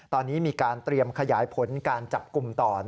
ตอนนี้มีการเตรียมขยายผลการจับกลุ่มต่อ